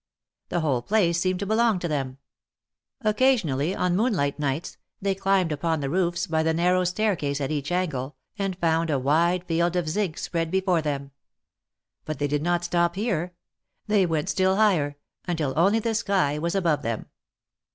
The whole place seemed to belong to them. Occasionally on moonlight nights, they climbed upon the roofs by the narrow staircase at each angle, and found a wide field of zinc spread before them. But they did not stop here; they went still higher, until only the sky was above them.